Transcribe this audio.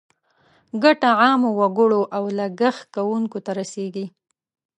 ګټه عامو وګړو او لګښت کوونکو ته رسیږي.